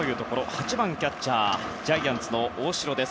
８番キャッチャージャイアンツの大城です。